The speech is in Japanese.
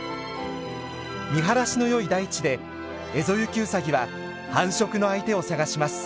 見晴らしのよい大地でエゾユキウサギは繁殖の相手を探します。